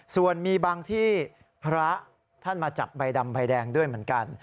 ส่วนมีบางที่พระท่านมาจับใบดำใบแดงด้วยเหมือนกัน